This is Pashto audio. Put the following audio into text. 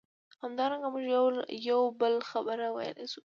همدارنګه موږ یوه بله خبره ویلای شو.